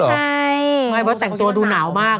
หรอแต่งตัวดูหนาวมาก